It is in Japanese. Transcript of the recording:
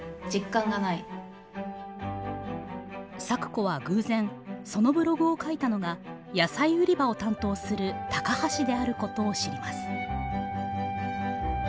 咲子は偶然そのブログを書いたのが野菜売り場を担当する高橋であることを知ります。